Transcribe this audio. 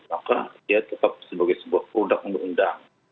karena dia tetap sebagai sebuah produk undang undang